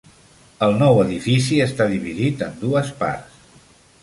El nou edifici està dividit en dues parts.